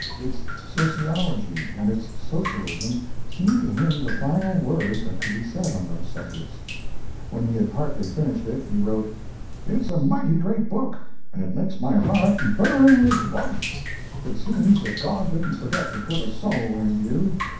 Its sociology and its socialism seemed to him the final word that could be said on those subjects. When he had partly finished it he wrote: It's a mighty great book and it makes my heart, burn with wrath. It seems that God didn't forget to put a soul in you.